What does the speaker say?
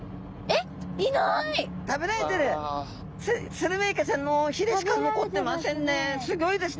スルメイカちゃんのひれしか残ってませんねす